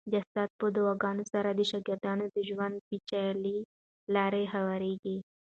د استاد په دعاګانو سره د شاګرد د ژوند پېچلې لارې هوارېږي.